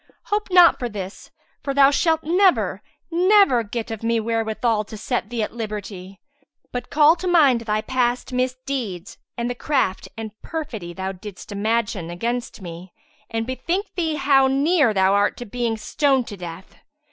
Hope not for this, for thou shalt never, never get of me wherewithal to set thee at liberty; but call to mind thy past misdeeds and the craft and perfidy thou didst imagine against me and bethink thee how near thou art to being stoned to death.